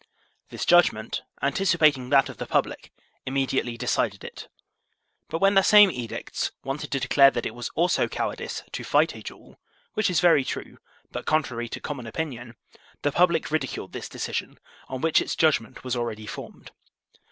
* This judgment, anticipating that of the public, immediately decided it. But when the same edicts wanted to declare that it was also cowardice to fight a duel, which is very true, but contrary to common opinion, the public ridiculed this decision, on which its judgment was already formed.